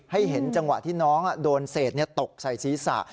เห็นจังหวะที่น้องโดนเศษตกใส่ศีรษะ